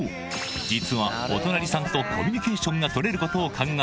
実はお隣さんとコミュニケーションが取れることを考え